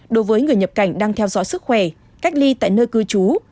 đối với người nhập cảnh đang theo dõi sức khỏe cách ly tại nơi cư trú